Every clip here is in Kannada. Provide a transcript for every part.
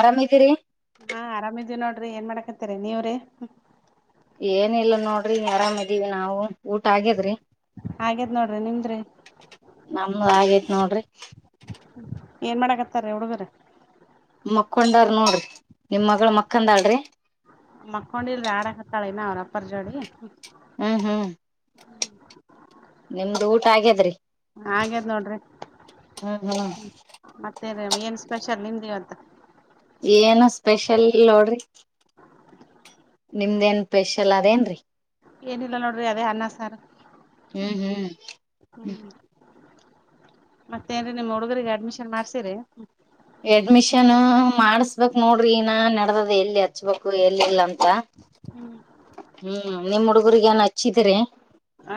ಆರಾಮ್ದೀರಿ ಹಾ ಆರಾಮಿದೀವಿ ನೋಡ್ರಿ ಏನ್ ಮಾಡಕತ್ತರಿ ನೀವ್ರೀ ಏನಿಲ್ಲ ನೋಡ್ರಿ ಆರಾಮ ಇದ್ದೀವಿ ನಾವು ಊಟ ಆಗೇದ್ರಿ ಹಾಗೇದ್ ನೋಡ್ರಿ ನಿಮ್ದ್ರಿ ನಮ್ದ ಆಗೇ ನೋಡ್ರಿ ಏನ್ ಮಾಡಾಕತ್ತಾರ ಹುಡುಗರ ಮಕ್ಕೊಂಡವ್ರ ನೋಡ್ರಿ ನಿಮ್ ಮಗಳು ಮಕ್ಕಂದಾಳ್ರಿ ಮಕ್ಕೊಂಡಿ ರಡ ಕತ್ತಾಳೆನ ಅವ್ರ ಪಜಡೆ ಹ್ಮ್ ಹ್ಮ್ ನಿಮ್ದ ಊಟ ಆಗ್ಯದ್ರಿ ಹಾಗ್ಯದ್ ನೋಡ್ರಿ ಹ್ಮ್ ಹ್ಮ್ ಮತ್ತೆ ಏನ್ ಸ್ಪೆ ಚ ನಿ ದಿವ ಅಂತ ಏನು ಸ್ಪೆಷಲ್ ನೋಡ್ರಿ ನಿಮ್ದೇಏನ್ ಸ್ಪೆಷಲ್ ಅದೇನ್ರರಿ ಏನಿಲ್ಲ ನೋಡ್ರಿ ಅದೇ ಅನ್ನ ಸಾರ್ ಹ್ಮ್ ಹ್ಮ್ ಹ್ಮ ಮತ್ತೇ ನ್ರಿ ನಿಮ್ಮ್ ಹುಡುಗರಿಗೆ ಅಡ್ಮಿಷನ್ ಮಾಡ್ಸಿರಿ ಎಡ್ಮಿಷನ್ ಮಾಡಸ್ಬೇಕಕ್ ನೋಡ್ರಿ ಇನ ನಡದದ ಎಲ್ಲಿ ಹಚ್ಬೇಕು ಎಲ್ಲಿಲ್ಲ ಅಂತ ಹ್ಮ್ ನಿಮ್ ಹುಡುಗ ್ರಗ ಏನ್ ಹಚ್ಚಿದ್ರರಿ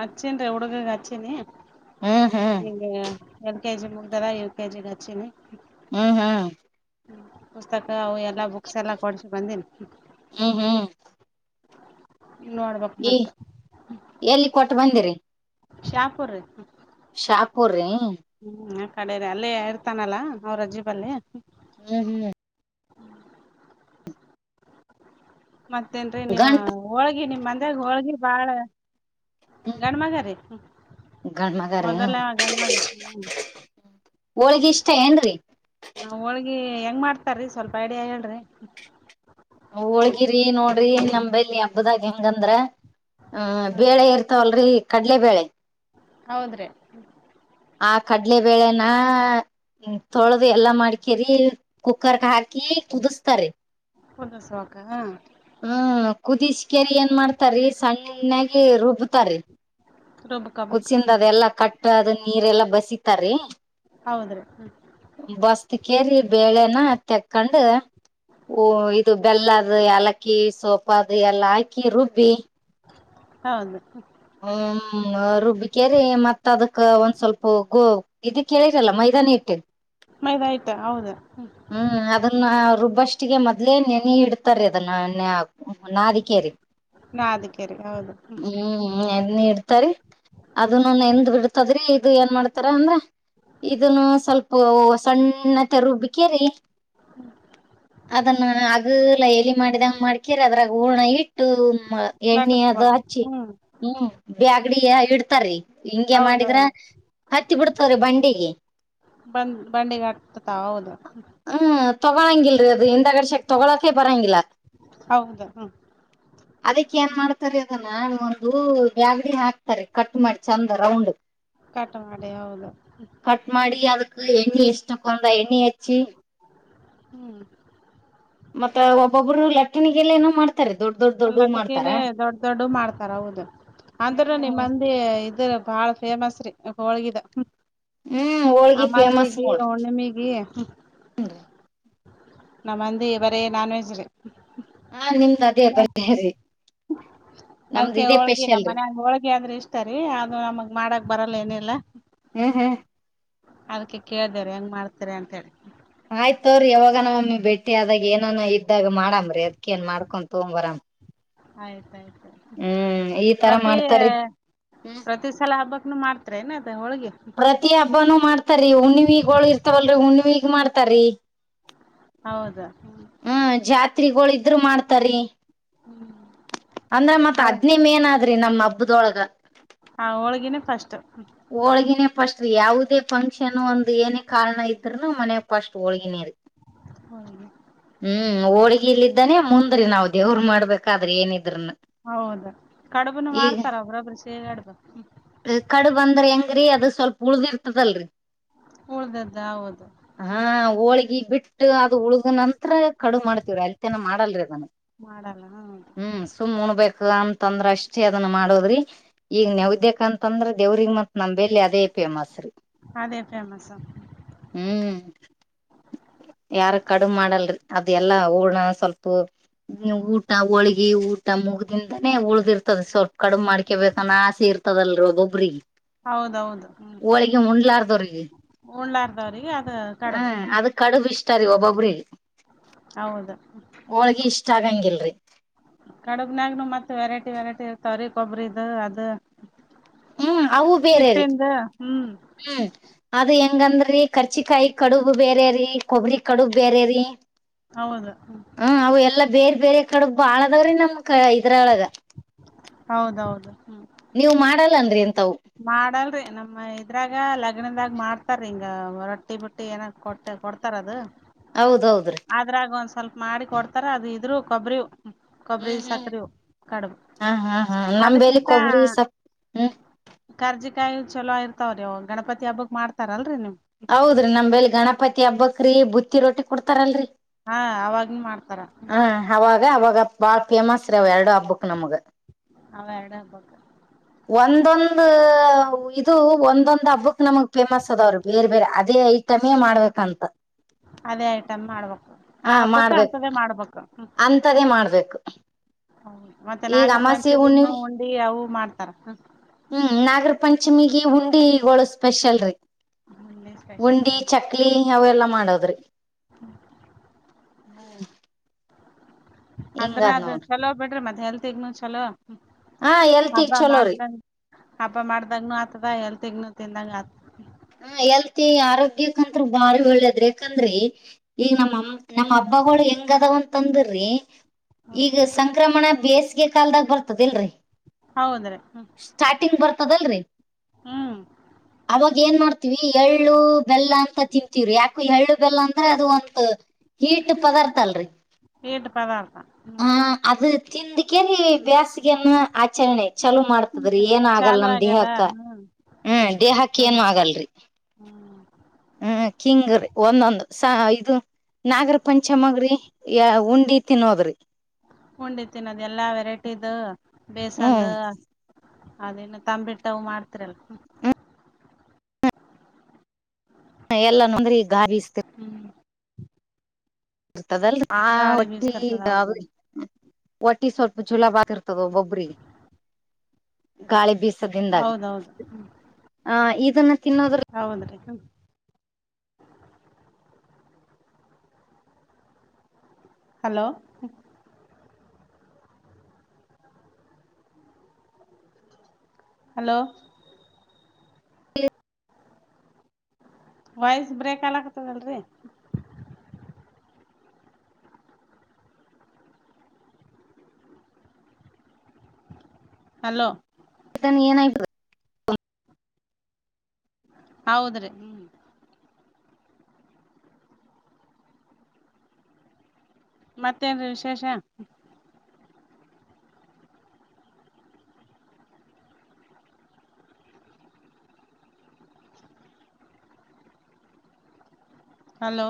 ಅಚ್ಚನ್ ರೀ ಹುಡುಗಗ ಅಚ್ಚನಿ ಹ್ಮ್ ಹ್ಮ್ ಈಂಗ ಕೆ ಜಿ ಮುಗ್ದರ ಏ ಕೆ ಜಿಗಚ್ಚಿನಿ ಹ್ಮ್ ಹ್ಮ್ ಪುಸ್ತಕ ಅವು ಎಲ್ಲಾ ಬುಕ್ಸ್ ಎಲ್ಲ ಕೊಡ್ಸಿ ಬಂದಿನಿ ಹ ಈಏ ಎಲ್ಲಿ ಕೊಟ್ಟು ಬಂದಿರಿ ಶಾಪುರ್ ರೀ ಶಾಪ್ರ ಕಡನೆ ಅಲ್ಲಿೇ ಇರ್ತಾನಲ್ಲಾ ಅವ್ರ ಅಜಿಬಲ್ಲಿ ಹ್ಮ ಹ ಮತ್ತೇನ್ೀ ನೀವು ಗಂಟ್ ಹೋಳಗಿ ನಿಮ್ ಅದಾಗ ಹೋಳ್ಗಿ ಬಾಳ ಗಂಡ ಮಗ ರೀ ಗಂಡ ಮಗ ರೀ ಮೊದಲೇ ಗಂಡ ಮಗ ಹ ಹೋಳಗ ಇಷ್ಟ ಏನ್ರಿ ಹ ಹೋಳ್ಗಿ ಹೆಂಗ್ ಮಾಡ್ತಾರೀ ಸ್ವಲ್ಪ ಐಡಿಯಾ ಹೇಳ್ರಿ ಹೋಳ್ಗಿರಿ ನೋಡ್ರಿ ನಲ್ಲಿ ಹಬ್ಬದಾಗ ಹೆಂಗಂದ್ರ ಹ ಬೇಳೆ ಇರ್ತವಲ್ಲ ೀ ಕಡಲೆಬೇಳೆ ಹೌದ್ರಿ ಆ ಕಡ್ಲೆಬೇಳೆನ ತೊಳೆದು ಎಲ್ಲಾ ಮಾಡ್ಕೇರಿ ಕುಕ್ಕರ್ ಕಕ ಕುುದ್ತಾರೆ ಪಂದಸೋಕ ಹ್ಮ್ ಕುದಿಸಕೇರಿ ಏನ್ ಮಾಡ್ತಾರೀ ಸಣ್ಣಾಗಿ ರುಬ್ಬತಾರೀ ರುಬ್ಕೋಬೇಕ ಕುಸಿಂದದೆ ಎಲ್ಲಾ ಕಟ್ ಅದ ನೀರೆಲ್ಲಾ ಬಸಿತಾರೀ ಹೌದ್ರೀ ಹ್ಮ್ ಹತ್ ಕೆಜಿ ಬೇಳೆನ ತಕ್ಕೊಂಡು ಓ ಇದು ಬೆಲ್ಲದ ಯಲಕ್ಕಿ ಸೋಪ ಅದು ಎಲ್ಲ ಹಾಕಿ ರುಬ್ಬಿ ಹೌದು ಹ್ಮ್ ರುಬ್ಬಿಕೇರಿ ಮತ್ತ ಮತ್ತ ಅದಕ್ಕ ಒಂದ್ ಸ್ವಲ್ಪ ಗೋ ಇದ ಕೇಳಿರಲ್ಲ ಮೈದಾನ ಇಟ್ ಮೈದಾ ಹಿಟ್ಟ ಹೌದು ಹ್ಮ್ ಅದನ್ನ ರುಬ್ಬಷ್ಟಿಗೆ ಮೊದಲೇ ನೆನ ಇಡ್ತಾರೆ ಅದನ್ನ ಎಣ್ಣೆ ಹಾಕ್ ಹ್ಮ ನಾದಿಕೇರಿ ನಾದಿಕೇರಿ ಹೌದು ಹ್ಮ್ ನೆನಯೀ ಇಡ್ತರಿ ಅದ ನ ಎಂದ್ ಬಿಡ್ತದ್ರಿ ಇದು ಏನ್ ಮಾಡ್ತಾರ ಅಂದ್ರೆ ಇದನ್ನು ಸ್ವಲ್ಪ ಓಹ ಸಣ್ಣತ್ತ ರುಬ್ಬಿಕೇರಿ ಅದನ್ನ ಅದುಲ್ಲ ಮಾಡಿದಂಗ ಮಾಡ್ಕಿರ ಅದ್ರಾಗ ಹೂಣ ಇಟ್ಟು ಎಣ್ಣೆ ಅದ ಲಟ್ಟಸ್ಬೇಕು ಹಚ್ಚಿ ಹ್ಮ್ ಬ್ಯಾಗ್ಡಿ ಇಡ್ತಾರ ರಿ ಹಿಂಗಗೆ ಮಾಡಿದ್ರ ಹೌದೌದು ಹತ್ತಿ ಬಿಡ್ತವ್ರಿ ಬಂಡಿಗೆ ಬಂದ್ ಬಂಡಿಗ್ ಹತ್ತತಾವ ಹೌದು ಹ್ಮ ತಗೊಂಗಲ್ರಿ ಅದು ಹಿಂದಗಡೆ ಶಕ್ತಿ ತೊಗಳಾಕ್ಕೆ ಬರಂಗಿಲ್ಲ ಹೌದು ಹ್ಮ್ ಅದಕ್ಕೆ ಏನ್ ಮಾಡ್ತಾರೆ ಅದನ್ನ [unintelligible] ಊ ಬ್ಯಾಗಡಿ ಹಾಕ್ತಾರೆ ಕಟ್ ಮಾಡಿ ಚಂದ ರೌಂಡ್ ಕಟ್ ಮಾಡಿ ಹೌದು ಎಣ್ಣಿ ಇಷ್ಟ ಪಾ ಎಣ್ಣಿ ಹಚ್ಚಿ ಹ್ಮ್ ಮತ್ತೆ ಒಬ್ಬೊಬ್ರು ಲಟ್ಟಣಿಗೆಲ್ಲ ಏನು ಮಾಡ್ತಾರೆ ದೊಡ್ ದೊಡ್ ದೊಡ್ಡ ಮಾಡ್ತಾರ ಲಟಕಿಲೆ ದೊಡ್ಡ ದೊಡ್ಡ ಮಾಡ್ತಾರ ಹೌದು ಅಂದ್ರೂ ಹ್ಮ್ ನಿಮ್ಮಂದಿ ಇದ್ರ ಬಾಳ ಫೇಮಸ್ ರೀ ಹೋಳ್ಗಿದ ಹ್ಮ್ ಹೋಳ್ಗಿ ಫೇಮಸ್ ಅಮಾಸಿಗಿ ನೋಡ್ರಿ ಹುಣ್ಣಿಮಿಗಿ ನಮ್ಮ ಅಂದಿ ಬರಿ ನಾನ್ವೆಜ್ ರಿ ಹಾ ನಿಮ್ದ್ ಅದೇ ಬರೀರಿ ನಮ್ದ್ ಅದಕ್ಕೆ ಇದೇ ಹೋಳ್ಗಿ ಸ್ಪೆಷಲ್ ನಮ್ಮ ರೀ ಮನ್ ಹೋಳ್ಗಿ ಅಂದ್ರೆ ಇಷ್ಟ ರೀ ಅದು ನಮಗ್ ಮಾಡಕ್ ಬರಲ್ಲ ಏನಲ್ಲ ಹ್ಮ್ ಅದಕ್ಕೆ ಕೇಳ್ದರ ಹೆಂಗ್ ಮಾಡ್ತಾರೆ ಅಂತ ಹೇಳಿ ಆಯ್ತವ್ರಿ ಯಾವಾಗ ನಮ್ಮಿ ಬೆಟ್ಟಿ ಆದಾಗ ಏನಾನ ಇದ್ದಾಗ ಮಾಡಾಮ್ರೀ ಅದ್ ಏನ್ ಮಾಡ್ಕೊಂಡ ತೊಗೊಂಡ್ ಬರಾಮ ಆಯ್ತ ಆಯ್ತ ಹ್ಮ್ ಈ ತರ ಮಾಡ್ತಾರ್ ರೀ ಇನ್ನು ಮಾಡ್ತಾರೇನು ಏನ್ ಇದ್ ಪ್ರತಿ ಹಬ್ಬನೂ ಮಾಡ್ತಾರಿ ಹುಣ್ಣಿವಿಗ್ಗಳು ಇರ್ತವಲ್ರಿ ಹುಣ್ಣವಿಿ ಮಾಡ್ತಾರೀ ಹೌದಾ ಹ್ಮ ಜಾತ್ರೆಗಳು ಇದ್ರು ಮಾಡ್ತಾರಿೀ ಅಂದ್ರೆ ಮತ್ತ್ ಹದ್ನೇ ಮೇನ್ ಅ್ರಿ ನಮ್ಮ ಹಬ್ಬದೊಳಗ ಹ ಹೋಳ್ಗಿನೂ ಕಷ್ಟ ಹಳ್ಗಿನ ಫಸ್ಟ್ ಯಾವುದೇ ಫಂಕ್ಷನ್ ಒಂದ ಏನೇ ಕಾರಣ ಇದ್ರುನು ಮನೆ ಫಸ್ಟ್ ಒಳಗಿನ ಹ ರ ಹೋಳ್ಗಿ ಇ ಇದಿದ್ದಾನೆ ಮುಂದ್ರರಿ ನಾವ್ ದೇವ್ರು ಮಾಡ ಹೌದ ಕಡುಬುನು ಈಗ ಮಾಡ್ತಾರ ಒಬ್ರೊಬ್ರು ಸೇರ್ಾಡ್ಬೇಕು ಕಡುಬ್ ಅಂದ್ರ ಹೆಂಗರಿೀ ಅದು ಸ್ವಲ್ಪ ಉಳ್ದಿರ್ತದಲ್ರರಿ ಉಳ್ದದ್ದ ಹೌದು ಹಾ ಹ್ಮ್ ಹೋಳಗಿ ಬಿಟ್ಟು ಅದು ಉಳ್ದ ನಂತ್ರ ಕಡು ಮಾಡ್ತವ್ರ ಅಲ್ತನ ಮಾಡ್ ಅಡಲ್ರ ಮಾಡಲ್ಲ ಹೌದು ಹ್ಮ್ ಸುಮ್ ಉಣಬೇಕ ಅಂತಂದ್ರ ಅಷ್ಟೇ ಅದನ್ನ ಮಾಡದ್ರಿ ಈಗ್ ನೆವದ್ಯಕಂತ ತೊಂದ್ರ ದೇವ್ರಿಗೆ ಮ ನಮಂಬಲೆ ಅದೇ ಫೇಮಸ್ ರೀ ಅದೇ ಫೇಮಸ್ ಹ್ಮ್ ಯಾರ ಕಡು ಮಾಡಲ್ರಿ ಅದೆ ಎಲ್ಲ ಹಊಣ ಸ್ವಲ್ಪ ಊಟ ಹೋಳ್ಗಿ ಊಟ ಮುಗ್ದಿಂದನೇ ಉಳ್ದಿರ್ತದೆ ಸ್ವಲ್ಪ ಕಡಮ ಮಾಡ್ಕೊಬೇಕನ್ನ ಆಸೆ ಇರ್ತದಲ್ರಬ್ ಬ್ರಿ ಹೌದೌದು ಹ್ಮ್ ಹೋಳಿಗೆ ಮುಂಡ್ಲಾರ್ದವ್ರ ಉಣ್ಲಾರ್ದವ್ರಿಗೆ ಅದ ಹ ಕಡುಬು ಹ್ಮ್ ಅದ ಕಡುಬ ಇಷ್ಟ್ರೀ ಒಬ್ಬೊಬ್ರಿ ಹೌದು ಹೋಳಗ ಇಷ್ಟ ಆಗಂಗಿಲ್ಲ ರಿ ಕಡಗ್ನಾಗ್ನು ಮತ್ತ ವೆರೈಟಿ ವೆರೈಟಿ ಇರ್ತವ್ರೀ ಕೊಬ್ಬರಿ ಇಿದ ಅದು ಹ್ಮ್ ಅವು ಬೇರೆ ರೀ ಹಿಟ್ಟಿಂದ ಹ್ಮ್ ಹ್ಮ್ ಅದು ಹಂಗಂದ್ರರಿ ಕರ್ಚಿಕಾಯಿ ಕಡುಬು ಬೇರೆ ರೀ ಕೊಬ್ಬರಿ ಕಡು ಬೇರೆ ರೀ ಹೌದು ಹ್ಮ ಅವು ಎಲ್ಲಾ ಬೇರೆ ಬೇರೆ ಕಡೆ ಬಾಳದವ್ರೆ ನಮ್ ಇದ್ರೊಳಗ ಹೌದೌದು ಹ್ಮ್ ನೀವು ಮಾಡ ನ್ರಿ ಮಾಡಲ್ರಿ ನಮ್ಮ ಇದ್ರಾಗ ಲ ತಗಣದಾಗಿ ಮಾಡ್ತಾರ ಹಿಂಗ ರೊಟ್ಟಿ ಬುಟ್ಟಿ ಏನ ಕೊಟ್ಟ ಕೊಡ್ತಾರ ಅದು ಹೌದೌದ್ರಿ ಆದ್ರಾಗ ಒಂದ್ ಸ್ವಲ್ಪ ಮಾಡಿ ಕೊಡ್ತಾರ ಅದು ಇದ್ರು ಕೊಬ್ಬರಿ ಹ್ಮ್ ಹ್ಮ್ ಸಕ್ರಿವು ಕಡುಬು ಹಾ ಹಾ ಹಾ ನಮಲಿ ಅದಕ್ಕಿಂತ ಕೊಬರಿಿ ಸ ಹ್ಮ್ ಕಾರ್ಜಿಿಕಾಯಿ ಚಲೋ ಇರ್ತಾವ್ರೀವು ಗಣಪತಿ ಹಬ್ಬಕ್ ಮಾಡ್ತಾರಲ್ರರಿ ನೀವು ಹೌದ್ರಿ ನಮ್ೇಲ್ ಗಣಪತಿ ಹಬ್ಬಕ್್ರೀ ಬ ರಿ ರೋಟಿ ಕೊಡ್ತಾರಲ್ರಿ ಹಾ ಅವಾಗ್ನ ಮಾಡ್ತಾರ ಅವಾಗ ಅವಾಗ ಬಾಳ ಫೇಮಸ್ ರೀ ಅವ್ ಎರಡು ಹಬ್ಬಕ್ ನಮಗ ಅವ ಎರಡಪಕ್ಕ ಒಂದೊಂದು ಇದು ಒಂದೊಂದು ಹಬ್ಬಕ್ ನಮಗ್ ಫೇಮಸ್ ಅದವ್ರ ಬೇರೆ ಬೇರೆ ಅದೇ ಐಟಮೇ ಮಾಡ್ಬೇಕಂತ ಅದೇ ಐಟಮ್ ಮಾಡ್ಬೇಕು ಆ ಹಬ್ಬಕ್ಕ ಅಂತದೆೇ ಮಾಡ್ಬೇಕು ಅಂತರ ಮಾಡ್ಬೇಕು ಹ ಮತ್ತೆ ಈಗ ನಾಗರ ಅಮಾಸೆ ಪಂಚಮಿನು ಹುಣ್ಣಿಮೆ ಉಂಡಿ ಅವು ಮಾಡ್ತಾರ ಈ ಉುಂಡಿ ಈಗಗಳು ಸ್ಪೆಷಲ್ ರೀ ಉಂಡಿ ಸ್ಪೆಷಲ್ ಉಂಡಿ ಹೌದು ಚಕ್ಲಿ ಅವೆಲ್ಲಾ ಮಾಡದ್ರಿ ಹ್ಮ ಅಂದ್ರ ಅದ ಚಲೋ್ ಬಿಡ್ರಿ ಮತ್ತೆ. ಹಲ್ಥ ಹೆಗ್ಕ್ ನಸ್ಲ್ಲ. ಹಾ ಹಬ್ಬ ಎಲ್ತಿಗ್ ಚಲೋರಿ ಮಾಡ್ದಂಗ ಹಬ್ಬ ಮಾಡ್ದಾಗನು ಆತದ ಎಲ್ ತೆಗನ ತಿಿಂದಂಗ ಆತ ಹ ಎಲ್ತಿ ಆರೋಗ್ಯಕಂ ಬಾರಿ ಒಳ್ಳೇದ್ರಿ ಯಾಕಂದ್ರಿ ಈಗ ನಮ್ಮ ನಮ್ಮ್ ಹಬ್ಬಗಳು ಹೆಂಗದಾವಂತಂದ್ರಿ ಈಗ ಸಂಕ್ರಮಣ ಬೇಸ್ ಗೆ ಕಾಲದಾಗ ಬರ್ತದಲ್ರರಿ ಹೌದ್ರಿ ಸ್ಟಾರ್ಟಿಂಗ್ ಬರ್ತದಲ್ರಿ ಹ್ಮ್ ಅವಾಗ ಈ ಏನ್ ಮಾಡ್ತಿೀವಿ ಎಳ್ಳು ಬೆಲ್ಲ ಅಂತ ತಿಂತೀವ್ರಿ ಯಾಕು ಎಳ್ಳು ಬೆಲ್ಲ ಅಂದ್ರೆ ಅದು ಒಂತ ಹೀಟ್ ಪದಾರ್ಥ ಅಲ್ರರಿ ಟ ಪದಾರ್ತಾ ಹ್ಮ್ ತಿಿಂದ ಕೆರಿ ಬ್ಯಸ್ ಆಚರಣೆ ಚಲೋ ಮಾಡ್ತದ್ರಿ ಏನ ಆಗಲ್ಲ ಚಾಲು ನಮ್ ಆಗ್ಯದ ದೇಹಕ್ಕ ಹ್ಮ್ ಹ್ಮ್ ದೇಹಕ್ಕ ಹೌದು ಕೇನ್ಗಲ್ರಿ ಹ್ಮ್ ಹ್ಮ್ ಕಿಂಗ್ರರಿ ಒಂದೊಂದ ಸ ಇದು ನಾಗರ ಪಂಚಮಗ್ರಿ ಯ ಉಂಡಿ ತಿನ್ನೋದ್ರಿ ಬೇಸಂದ ಹ್ಮ್ ಅದೇನ ತಂಬಿಟ್ಟವು ಮಾಡ್ತಿರಲ್. ಹ ಎಲ್ಲ ನಂದ್ರ ಈಗ ಗಾರ ಸ್ತ ಹ್ಮ್ ಇರ್ತದಲ್ ಆ ಗಾಳಿ ಹೊಟ್ಟಿ ಬೀಸ್ತಿರ್ತದ ಗಾದು ಹೌದೌದು ಒಟ್ಟಿ ಸ್ವಲ್ಪ ಜುಲಾಬ ಆಗಿರ್ತದ ಒಬ್ರ ಗಾಳಿ ಬೀಿಸಿ ದಿಂದ ಹೌದೌದು ಹ್ಮ್ ಆ ಇದನ್ನ ತಿನ್ನೋದ್ರ ಹೌದ್ರಿ ಹ್ಮ್ ಹಲೋ ಹಲೋ ವಾಯ್ಸ್ ಬ್ರೇಕ್ ಆಲ್ ಆಗ್ತದಲ್ರಿ ಹಲೋ ಏನ ಆಯ ಹೌದ್ರೀ ಮತ್ತೇನ್ೀ ವಿಶೇಷ ಹಲೋ